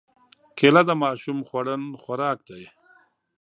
کېله د ماشوم خوړن خوراک دی.